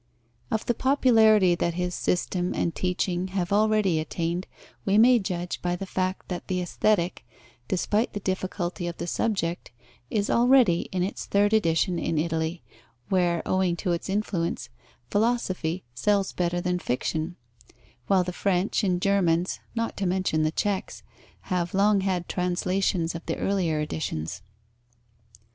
Of the popularity that his system and teaching have already attained we may judge by the fact that the Aesthetic, despite the difficulty of the subject, is already in its third edition in Italy, where, owing to its influence, philosophy sells better than fiction; while the French and Germans, not to mention the Czechs, have long had translations of the earlier editions.